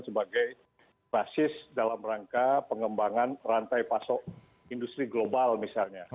sebagai basis dalam rangka pengembangan rantai pasok industri global misalnya